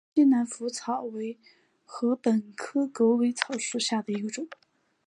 西南莩草为禾本科狗尾草属下的一个种。